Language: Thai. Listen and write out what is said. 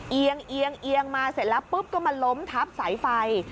เอียงเอียงมาเสร็จแล้วปุ๊บก็มาล้มทับสายไฟ